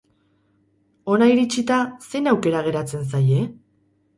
Hona iritsita, zein aukera geratzen zaie?